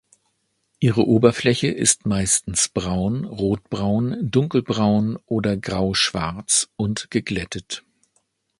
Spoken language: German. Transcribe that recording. Ihre Oberfläche ist meistens braun, rotbraun, dunkelbraun oder grauschwarz und geglättet.